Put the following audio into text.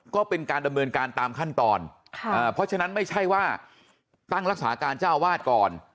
ก็เป็นการดำเนินการตามขั้นตอนเพราะฉะนั้นไม่ใช่ว่าตั้งรักษาการเจ้าวาดก่อน